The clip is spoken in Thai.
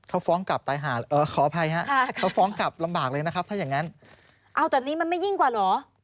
เอ้าตอนนี้มันไม่ยิ่งกว่าเหรอ